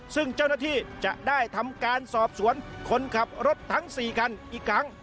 ซึ่งเจ้าหน้าที่จะได้ทำการสอบสวนคนขับรถทั้ง๔คันอีกครั้ง